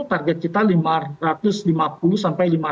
target kita lima ratus sepuluh sampai lima ratus tujuh puluh lima